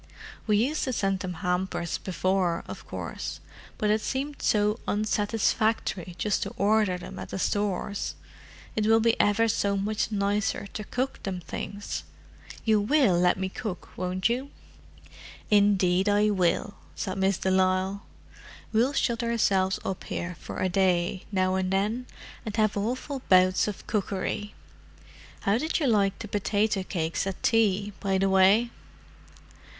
We used to send them hampers before, of course, but it seemed so unsatisfactory just to order them at the Stores: it will be ever so much nicer to cook them things. You will let me cook, won't you?" "Indeed I will," said Miss de Lisle. "We'll shut ourselves up here for a day, now and then, and have awful bouts of cookery. How did you like the potato cakes at tea, by the way?"